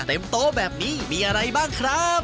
โต๊ะแบบนี้มีอะไรบ้างครับ